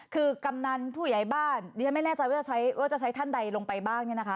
คือกำนันผู้ใหญ่บ้านไม่แน่ใจว่าจะใช้ท่านใดลงไปบ้าง